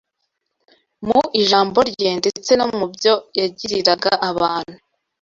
mu ijambo rye ndetse no mu byo yagiriraga abantu.